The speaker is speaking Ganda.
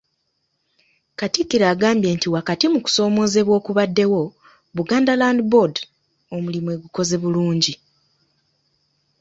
Katikkiro agambye nti wakati mu kusoomoozebwa okubaddewo, Buganda Land Board omulimu egukoze bulungi.